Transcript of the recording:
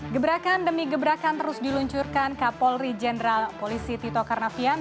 gebrakan demi gebrakan terus diluncurkan kapolri jenderal polisi tito karnavian